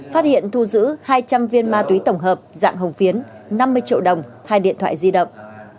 phát hiện thu giữ hai trăm linh viên ma túy tổng hợp dạng hồng phiến năm mươi triệu đồng hai điện thoại di động